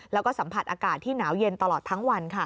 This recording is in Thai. แล้วก็สัมผัสอากาศที่หนาวเย็นตลอดทั้งวัน